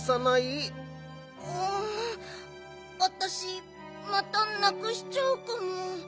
うんわたしまたなくしちゃうかも。